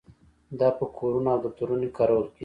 دا په کورونو او دفترونو کې کارول کیږي.